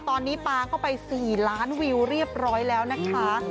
ตอนนี้ปลาเข้าไป๔ล้านวิวเรียบร้อยแล้วนะคะ